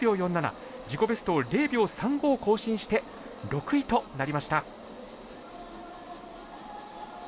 自己ベストを０秒３５更新して６位となりました。